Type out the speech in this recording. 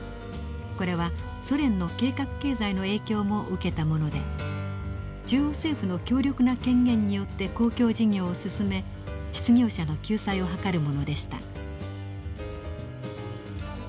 これはソ連の計画経済の影響も受けたもので中央政府の強力な権限によって公共事業を進め失業者の救済を図るものでした。